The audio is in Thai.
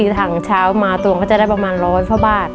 ๔ถังเช้ามาตรงก็จะได้ประมาณ๑๐๐กบ